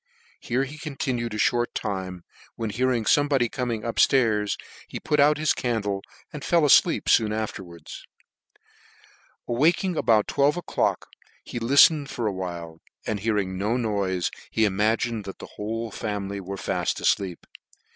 Here he continued a (hort time, when hearing fomebody coming up ftairs, he put out his candle, and fell afleep foon afterwards. Awaking about twelve o'clock he liflened for awhile, and hearing no noife, he imagined that the whole family were faft afleep.